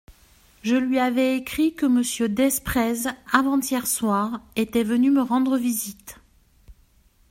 Je lui avais écrit que Monsieur Desprez, avant-hier soir, était venu me rendre visite.